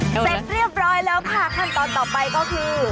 เสร็จเรียบร้อยแล้วค่ะขั้นตอนต่อไปก็คือ